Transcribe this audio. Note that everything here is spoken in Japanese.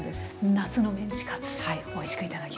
夏のメンチカツおいしく頂きました。